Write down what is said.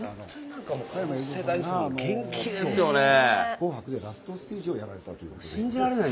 加山雄三さんが今日、「紅白」でラストステージをやられたということで。